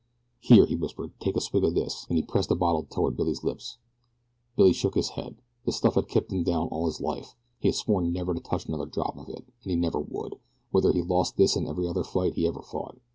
"Here," he whispered, "take a swig o' this," and he pressed a bottle toward Billy's lips. Billy shook his head. The stuff had kept him down all his life he had sworn never to touch another drop of it, and he never would, whether he lost this and every other fight he ever fought.